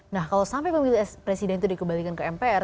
nah kalau sampai pemilih presiden itu dikembalikan ke mpr